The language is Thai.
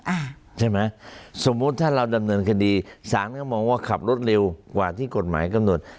อ่ะใช่ไหมสมมุติถ้าเราดำเนินคดีศาลก็มองว่าขับรถเร็วกว่าที่กฎหมายกำหนด